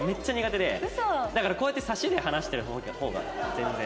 だからこうやってサシで話してる方が全然。